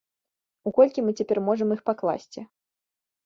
У колькі мы цяпер можам іх пакласці?